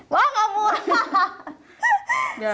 wah gak muah